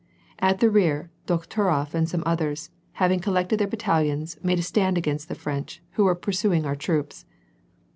At the rear, Dokhturof and some others, having collected their battalions, made a stand against the French, who were pursuing our troops.